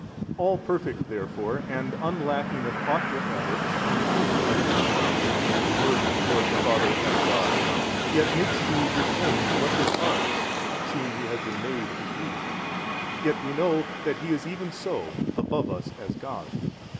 All Perfect therefore, and un lacking of ought whatever, and too of increase, is the "Word from forth the Father, as God: yet makes He His own what is ours seeing He has been made as we: yet we know that He is even so above us as God.